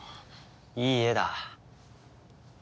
いい絵だ。